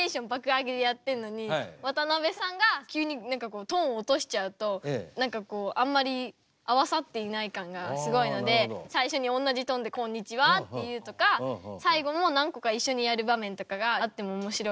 上げでやってるのに渡辺さんが急にトーン落としちゃうと何かこうあんまり合わさっていない感がすごいので最初におんなじトーンで「こんにちは！」って言うとか最後も何個か一緒にやる場面とかがあってもおもしろいかなと。